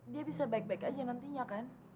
dia bisa baik baik aja nantinya kan